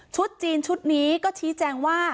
จีนชุดนี้ก็ชี้แจงว่า